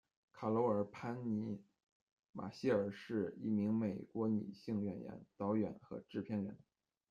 卡罗尔·潘妮·马歇尔是一名美国女性演员、导演和制片人。